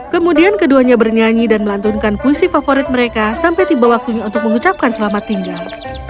kemudian keduanya bernyanyi dan melantunkan puisi favorit mereka sampai tiba waktunya untuk mengucapkan selamat tinggal